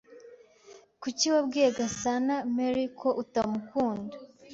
Kuki wabwiye GasanaMary ko atamukunda?